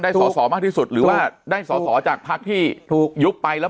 สอสอมากที่สุดหรือว่าได้สอสอจากพักที่ถูกยุบไปแล้ว